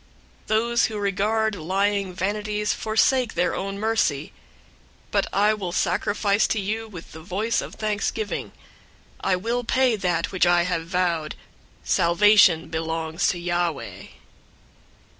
002:008 Those who regard lying vanities forsake their own mercy. 002:009 But I will sacrifice to you with the voice of thanksgiving. I will pay that which I have vowed. Salvation belongs to Yahweh."